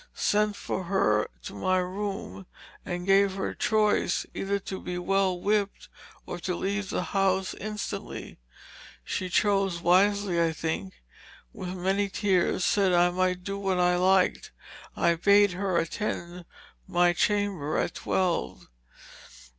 Sent for her to my room, and gave her choice, either to be well whipped or to leave the house instantly. She chose wisely I think and with many tears said I might do what I liked. I bade her attend my chamber at twelve.